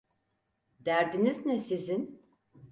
Derdiniz ne sizin?